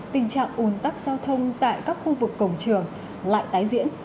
tình trạng ủn tắc giao thông tại các khu vực cổng trường lại tái diễn